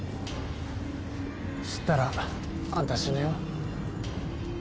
知ったらあんた死ぬよ。